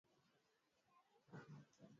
ambao unawakandamiza wanawake Harris alisema